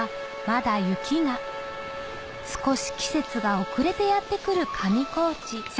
まだ雪が少し季節が遅れてやって来る上高地